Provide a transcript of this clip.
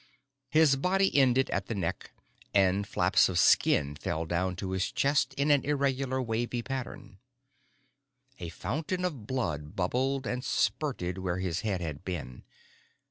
His body ended at the neck, and flaps of skin fell down to his chest in an irregular wavy pattern. A fountain of blood bubbled and spurted where his head had been.